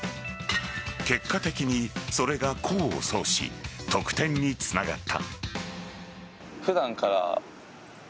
結果的に、それが功を奏し得点につながった。